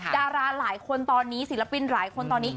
ดาราหลายคนตอนนี้ศิลปินหลายคนตอนนี้